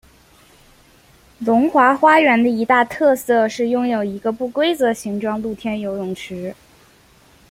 龙华花园的一大特色是拥有一个不规则形状露天游泳池。